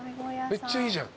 めっちゃいいじゃん。